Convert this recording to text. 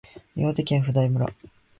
岩手県普代村